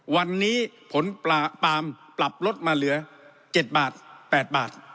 วันนี้ผลปาล์มปรับลดมาเหลือ๗บาท๘บาท